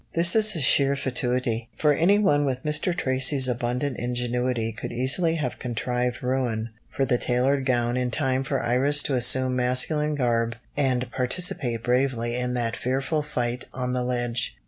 This is sheer fatuity, for any one with Mr. Tracy's abundant ingenuity could easily have contrived ruin for the tailored gown in time for Iris to assume masculine garb and participate bravely in that fearful fight on the ledge.